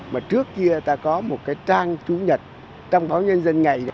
mà trước kia ta có một cái trang chú nhật trong báo nhân dân ngày